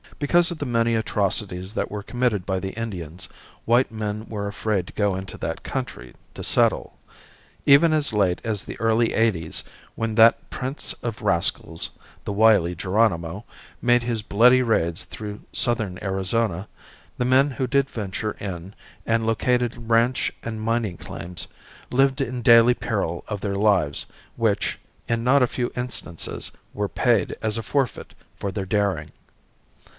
Because of the many atrocities that were committed by the Indians, white men were afraid to go into that country to settle. Even as late as in the early eighties when that prince of rascals, the wily Geronimo, made his bloody raids through southern Arizona, the men who did venture in and located ranch and mining claims, lived in daily peril of their lives which, in not a few instances, were paid as a forfeit to their daring.